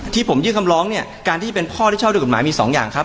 ที่ผมยึกคำร้องเนี่ยการที่เป็นพ่อที่เช่าที่ยอดความกฏหมายกฏหมายมี๒อย่างครับ